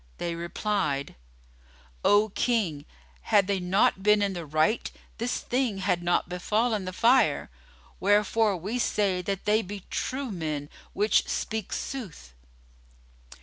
They replied, "O King, had they not been in the right, this thing had not befallen the fire; wherefore we say that they be true men which speak sooth."